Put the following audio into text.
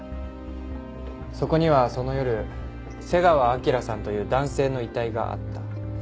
そこにはその夜瀬川彰さんという男性の遺体があった。